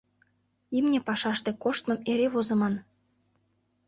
Имне пашаште коштмым эре возыман.